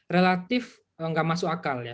relatif nggak masuk akal ya